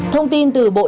thông tin từ bộ y tế